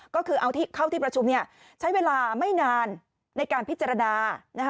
ก็คือเอาเข้าที่ประชุมใช้เวลาไม่นานในการพิจารณา